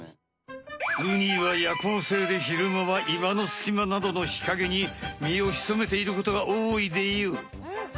ウニは夜行性でひるまは岩のすきまなどのひかげに身をひそめていることがおおいでよ。